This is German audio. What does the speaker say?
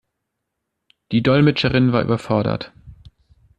Die Dolmetscherin war überfordert.